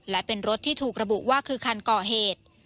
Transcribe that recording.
และเป็นรถที่ถูกระบุว่าคือคันก่อเหตุ